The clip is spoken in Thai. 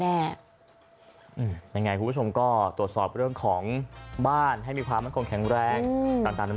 ยังไงคุณผู้ชมก็ตรวจสอบเรื่องของบ้านให้มีความมั่นคงแข็งแรงต่าง